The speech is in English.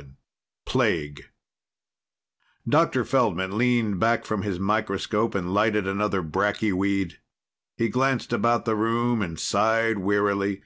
VII Plague Dr. Feldman leaned back from his microscope and lighted another bracky weed. He glanced about the room and sighed wearily.